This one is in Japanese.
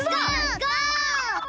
ゴー！